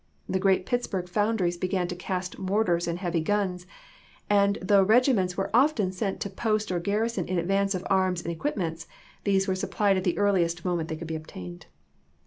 The great Pittsburgh foundries began to cast mortars and heavy guns; and though regiments were often sent to post or garrison in advance of arms and equipments, these were supplied at the earliest moment they could be obtained.